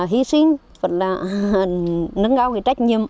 hy sinh vẫn là nâng cao cái trách nhiệm